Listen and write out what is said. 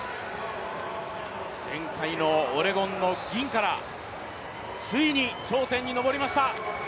前回のオレゴンの銀からついに頂点に上りました。